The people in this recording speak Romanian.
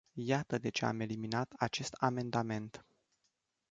Iată de ce am eliminat acest amendament.